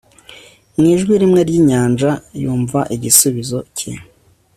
mu ijwi rimwe ry'inyanja yumva igisubizo cye